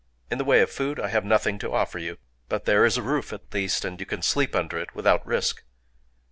In the way of food, I have nothing to offer you; but there is a roof at least, and you can sleep under it without risk."